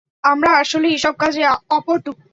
আমরা আসলেই এসব কাজে অপটু।